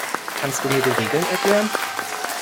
Kannst du mir die Regeln erklären?